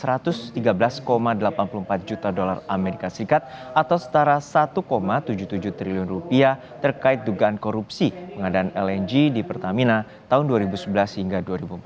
rp satu ratus tiga belas delapan puluh empat juta dolar as atau setara satu tujuh puluh tujuh triliun rupiah terkait dugaan korupsi pengadaan lng di pertamina tahun dua ribu sebelas hingga dua ribu empat belas